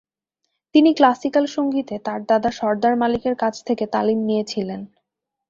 তিনি ক্লাসিকাল সঙ্গীতে তার দাদা সর্দার মালিকের কাছ থেকে তালিম নিয়েছিলেন।